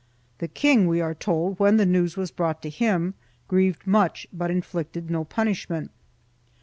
The king, we are told, when the news was brought to him, grieved much, but inflicted no punishment.